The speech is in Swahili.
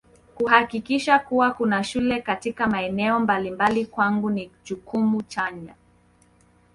Kuhakikisha kuwa kuna shule katika maeneo mbalimbali kwangu ni jukumu chanya